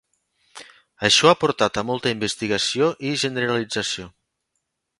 Això ha portat a molta investigació i generalització.